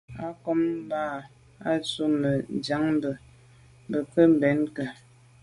A côb ngòn mɑ̂ ɑ̀b ndʉ̂ Nzə̀ ɑ̌m Ndiagbin, bə̀ kə bɛ̀n ke.